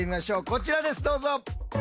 こちらですどうぞ！